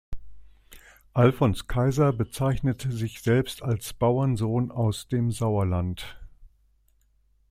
Alfons Kaiser bezeichnet sich selbst als Bauernsohn aus dem Sauerland.